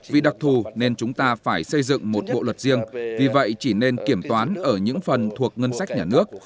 vì đặc thù nên chúng ta phải xây dựng một bộ luật riêng vì vậy chỉ nên kiểm toán ở những phần thuộc ngân sách nhà nước